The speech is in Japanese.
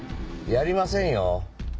やりませんよ